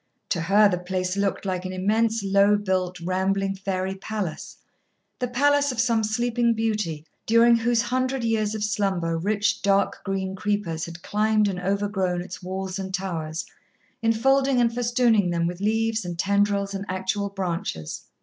To her the place looked like an immense, low built, rambling fairy palace the palace of some sleeping beauty during whose hundred years of slumber rich dark green creepers had climbed and overgrown its walls and towers, enfolding and festooning them with leaves and tendrils and actual branches.